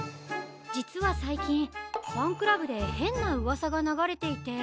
じつはさいきんファンクラブでへんなうわさがながれていて。